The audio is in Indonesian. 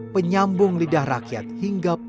penyambung lidah rakyat hingga